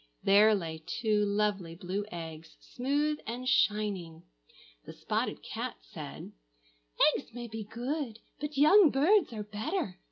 There lay two lovely blue eggs, smooth and shining. The spotted cat said, "Eggs may be good, but young birds are better.